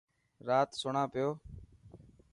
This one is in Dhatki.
رات سڻان پيو.